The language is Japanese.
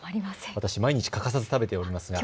私は毎日欠かさず食べております。